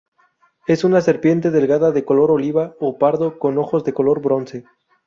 Es una serpiente delgada, de color oliva o pardo, con ojos de color bronce.